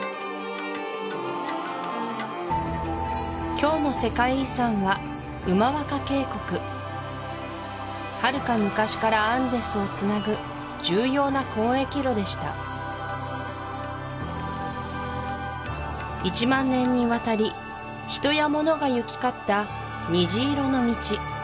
今日の世界遺産はウマワカ渓谷はるか昔からアンデスをつなぐ重要な交易路でした１万年にわたり人や物が行き交った虹色の道